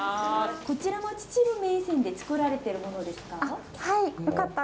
こちらも秩父銘仙で作られてるものですか？